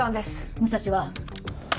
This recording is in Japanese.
武蔵は？